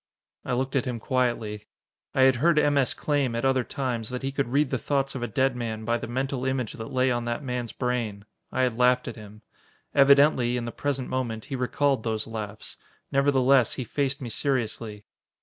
I looked at him quietly. I had heard M. S. claim, at other times, that he could read the thoughts of a dead man by the mental image that lay on that man's brain. I had laughed at him. Evidently, in the present moment, he recalled those laughs. Nevertheless, he faced me seriously.